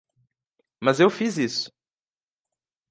Mas eu fiz isso.